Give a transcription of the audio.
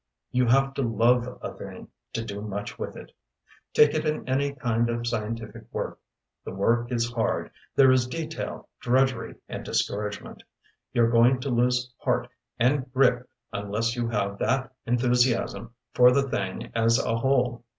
You have to love a thing to do much with it. Take it in any kind of scientific work; the work is hard, there is detail, drudgery, and discouragement. You're going to lose heart and grip unless you have that enthusiasm for the thing as a whole.